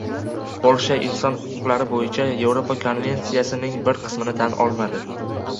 Polsha Inson huquqlari bo‘yicha Yevropa konvensiyasining bir qismini tan olmadi